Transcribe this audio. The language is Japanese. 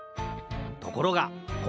ところがこ